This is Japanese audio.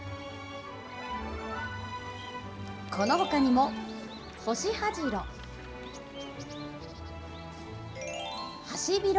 この他にも、ホシハジロ。